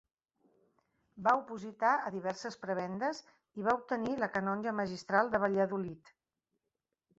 Va opositar a diverses prebendes i va obtenir la canongia magistral de Valladolid.